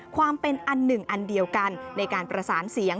ความเป็นอันหนึ่งอันเดียวกันในการประสานเสียง